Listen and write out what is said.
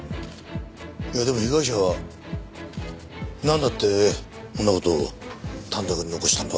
いやでも被害者はなんだってそんな事を短冊に残したんだ？